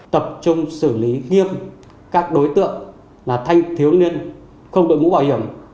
tập trung xử lý nghiêm các đối tượng là thanh thiếu niên không được ngũ bảo hiểm